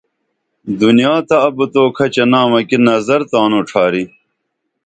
دنیا تہ اُبتو کھچہ نامہ کی نظر تانوں ڇھاری